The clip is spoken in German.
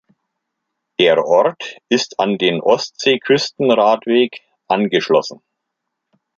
Der Ort ist an den Ostseeküsten-Radweg angeschlossen.